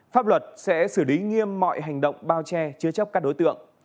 pháp luật sẽ xử lý nghiêm mọi hành động bao che chứa chấp các đối tượng